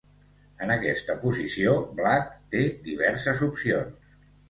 En aquesta posició, Black té diverses opcions.